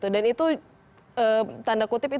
dan itu tanda kutip